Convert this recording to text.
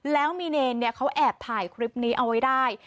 แล้วมีเนรเขาแอบถ่ายคลิปนี้เอาไว้ได้